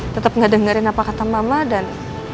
tetap gak dengerin apa kata mama dan